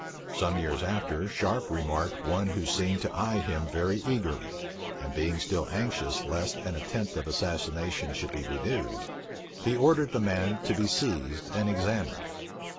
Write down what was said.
Some years after, Sharpe remarked one who seemed to eye him very eagerly; and being still anxious lest an attempt of assassination should be renewed, he ordered the man to be seized and examined.